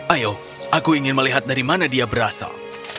ayo aku ingin melihat dari mana dia berasal